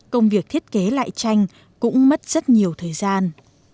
công việc thiết kế lại tranh cũng mất rất nhiều thời gian